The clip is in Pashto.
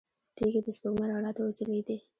تيږې د سپوږمۍ رڼا ته وځلېدې.